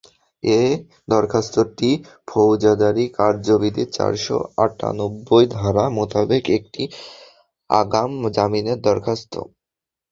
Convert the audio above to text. এ দরখাস্তটি ফৌজদারী কার্যবিধির চারশো আটানব্বই ধারা মোতাবেক একটি আগাম জামিনের দরখাস্ত।